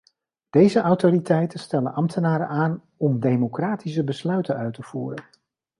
Deze autoriteiten stellen ambtenaren aan om democratische besluiten uit te voeren.